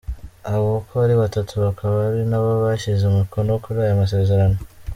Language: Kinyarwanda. Aba uko ari batatu bakaba ari nabo bashyize umukono kuri ayo masezerano.